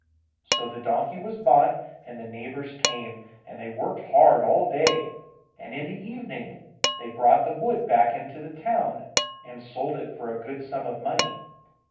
So the donkey was bought, and the neighbours came, and they worked hard all day, and in the evening they brought the wood back into the town, and sold it for a good sum of money.